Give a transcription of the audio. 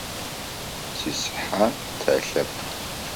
Сицыхьэ телъэп.